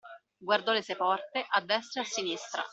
Guardò le sei porte, a destra e a sinistra.